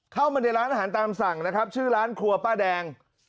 เข้ามาในร้านอาหารตามสั่งนะครับชื่อร้านครัวป้าแดง